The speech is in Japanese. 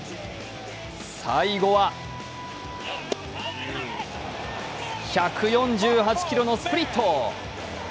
最後は１４８キロのスプリット。